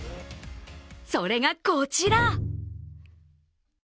それが、こちら。